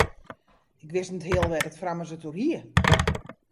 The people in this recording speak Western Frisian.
Ik wist net heal wêr't it frommes it oer hie.